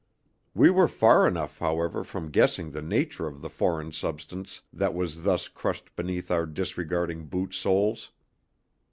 We were far enough, however, from guessing the nature of the foreign substance that was thus crushed beneath our disregarding boot soles.